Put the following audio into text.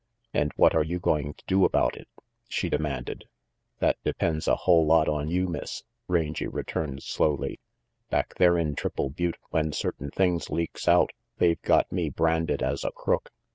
"And what are you going to do about it?" she demanded. "That depends a hull lot on you, Miss," Rangy returned slowly. "Back there in Triple Butte, when certain things leaks out, they've got me branded as a crook.